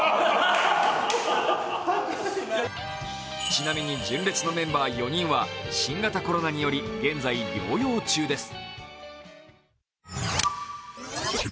ちなみに、純烈のメンバー４人は新型コロナにより現在療養中です。